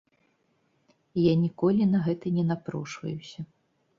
Я ніколі на гэта не напрошваюся.